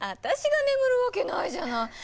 私が眠るわけないじゃない。